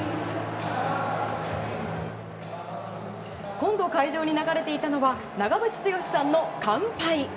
今度、会場に流れていたのは長渕剛さんの「乾杯」。